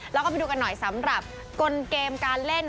แล้วก็ไปดูกันหน่อยสำหรับกลเกมการเล่น